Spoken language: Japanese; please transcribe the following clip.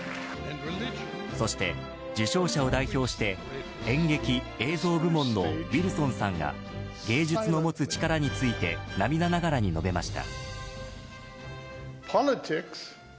そして受賞者を代表して演劇・映像部門のウィルソンさんが芸術の持つ力について涙ながらに述べました。